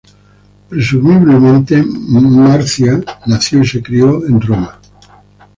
Presumiblemente, Marcia nació y se crio en Roma.